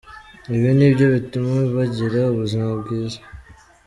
Ibi ni byo bituma bagira ubuzima bwiza.